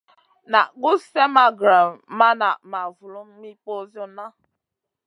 Naʼ gus slèʼ ma grewn ma naʼ ma vulum mi ɓosionna.